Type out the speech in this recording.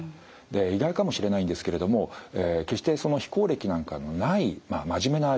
意外かもしれないんですけれども決して非行歴なんかのない真面目な女性ですね。